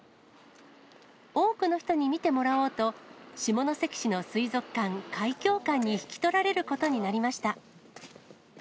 多くの人に見てもらおうと、下関市の水族館、海響館に引き取られることになりました。